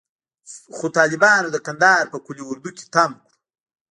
خو طالبانو د کندهار په قول اردو کښې تم کړو.